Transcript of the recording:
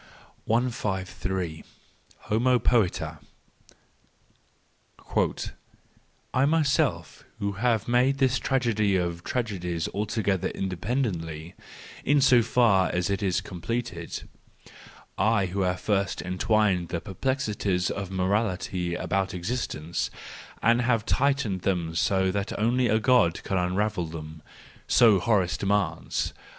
I S3 Homo poeta .—" I myself who have made this tragedy of tragedies altogether independently, in so far as it is completed ; I who have first entwined the perplexities of morality about existence, and have tightened them so that only a God could unravel them — so Horace demands